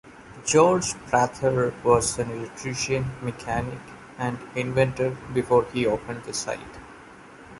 George Prather was an electrician, mechanic, and inventor before he opened the site.